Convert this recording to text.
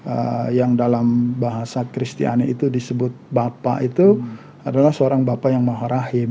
allah yang dalam bahasa kristiani itu disebut bapak itu adalah seorang bapak yang maharahim